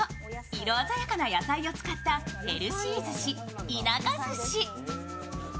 色鮮やかな野菜を使ったヘルシーずし、田舎ずし。